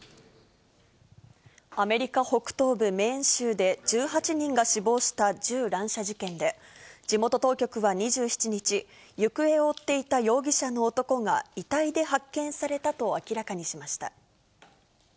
アメリカ北東部メーン州で１８人が死亡した銃乱射事件で、地元当局は２７日、行方を追っていた容疑者の男が遺体で発見されたと明らかにしました。